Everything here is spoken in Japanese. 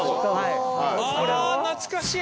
「あ懐かしい！」